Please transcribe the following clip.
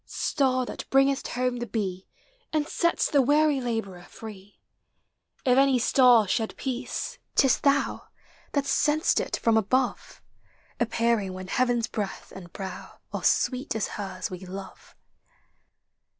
Star that bringest home the bee, And sett'st the weary laborer free! If any star shed peace, 't is thou, That send'st it from above, Appearing when heaven's breath and brow Are sweet as hers we love.